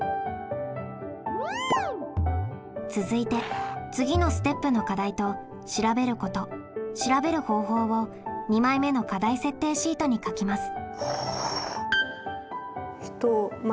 続いて次のステップの課題と調べること調べる方法を２枚目の課題設定シートに書きます。